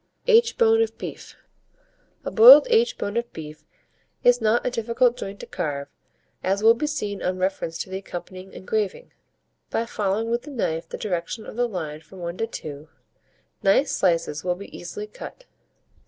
AITCHBONE OF BEEF. A boiled aitch bone of beef is not a difficult joint to carve, as will be seen on reference to the accompanying engraving. By following with the knife the direction of the line from 1 to 2, nice slices will be easily cut.